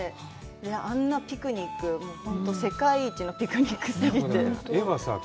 あんなピクニック、世界一のピクニックすぎて。